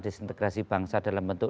disintegrasi bangsa dalam bentuk